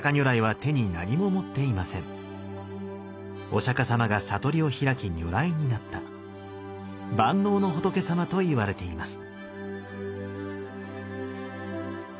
お釈様が悟りを開き如来になった万能の仏様といわれています。